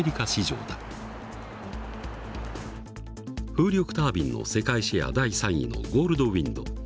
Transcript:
風力タービンの世界シェア第３位のゴールドウインド。